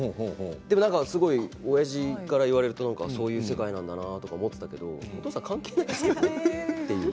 でも、おやじから言われるとそういう世界なんだなと思っていたんですけどお父さん関係ないよねって。